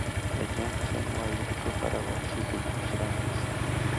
که جنشن وایولېټ وکارول شي بنفش رنګ نیسي.